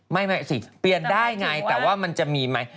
ไม่สิเปลี่ยนได้ไงแต่ว่ามันจะมีไหม